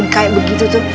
kayak begitu saja